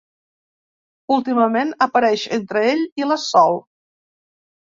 Últimament apareix entre ell i la Sol.